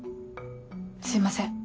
すいません。